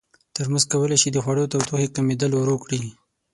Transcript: ترموز کولی شي د خوړو تودوخې کمېدل ورو کړي.